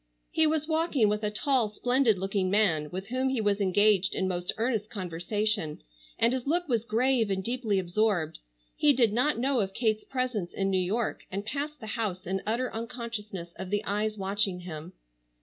He was walking with a tall splendid looking man, with whom he was engaged in most earnest conversation, and his look was grave and deeply absorbed. He did not know of Kate's presence in New York, and passed the house in utter unconsciousness of the eyes watching him.